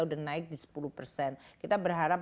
udah naik di sepuluh persen kita berharap